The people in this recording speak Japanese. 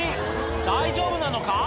大丈夫なのか？